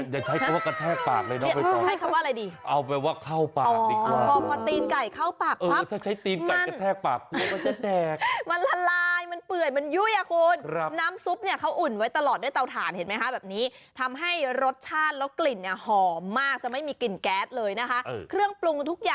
อย่าใช้คำว่ากระแทกปากเลยนะครับ